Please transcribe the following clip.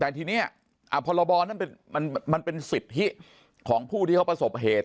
แต่ทีนี้พรบนั้นมันเป็นสิทธิของผู้ที่เขาประสบเหตุ